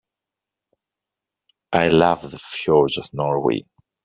I love the fjords of Norway.